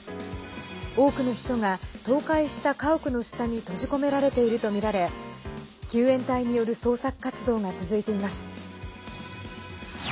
多くの人が倒壊した家屋の下に閉じ込められているとみられ救援隊による捜索活動が続いています。